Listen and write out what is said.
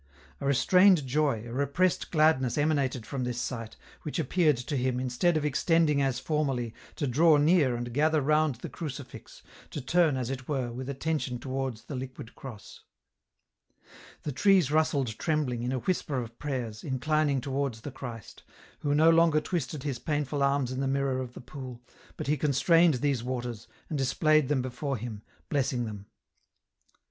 A restrained joy, a repressed gladness emanated from this site, which appeared to him, instead of extending as formerly, to draw near and gather round the crucifix, to turn, as it were, with attention towards the liquid cross. The trees rustled trembling, in a whisper of prayers, inclining towards the Christ, who no longer twisted His painful arms in the mirror of the pool, but He constrained these waters, and displayed them before Him, blessing them.